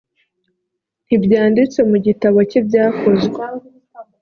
ntibyanditse mu gitabo cy ibyakozwe